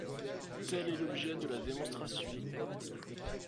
Tel est l’objet de la démonstration.